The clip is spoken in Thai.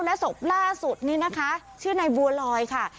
และศพล่าสุดนี่นะคะชื่อนายบัวลอยค่ะ